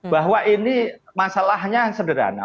bahwa ini masalahnya sederhana